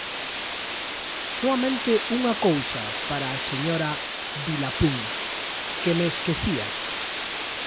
Soamente unha cousa para a señora Vilapún, que me esquecía.